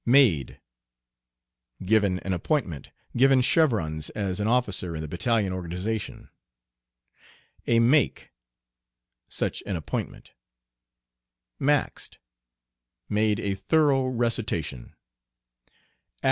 "Made." Given an appointment, given chevrons as an officer in the battalion organization. "A make." Such an appointment. "Maxed." Made a thorough recitation.